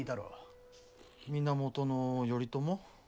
源頼朝？